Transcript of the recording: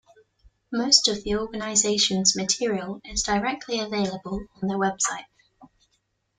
Most of the organization's material is directly available on their website.